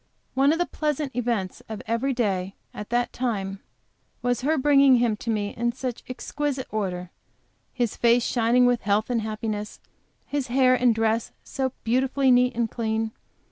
One of the pleasant events of every day at that time, was her bringing him to me in such exquisite order, his face shining with health and happiness, his hair and dress so beautifully neat and clean.